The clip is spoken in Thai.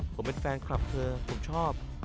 ผมเป็นแฟนคลับเธอผมชอบ